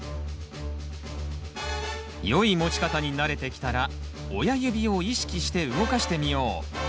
良い持ち方に慣れてきたら親指を意識して動かしてみよう。